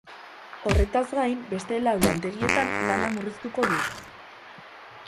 Horretaz gain, beste lau lantegietan lana murriztuko du.